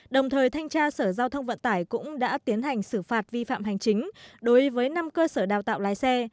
đồng thời thanh tra sở giao thông vận tải cũng đã tiến hành xử phạt vi phạm hành chính đối với năm cơ sở đào tạo lái xe